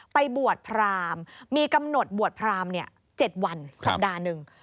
ไปบวชพรามมีกำหนดบวชพราม๗วันสัปดาห์หนึ่ง